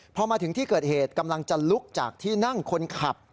พอมาถึงที่เกิดเหตุกำลังจะลุกจากที่นั่งคนขับ